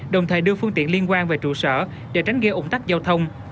đồng thời đưa phương tiện liên quan về trụ sở để tránh gây ủng tắc giao thông